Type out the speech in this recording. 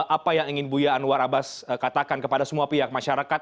apa yang ingin buya anwar abbas katakan kepada semua pihak masyarakat